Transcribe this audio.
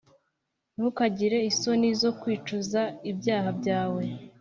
Ntukagire isoni zo kwicuza ibyaha byawe,